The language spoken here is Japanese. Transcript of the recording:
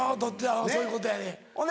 そういうことやで。